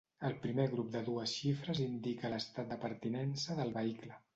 El primer grup de dues xifres indica l'estat de pertinença del vehicle.